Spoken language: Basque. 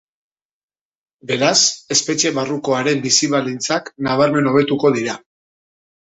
Beraz, espetxe barruko haren bizi baldintzak nabarmen hobetuko dira.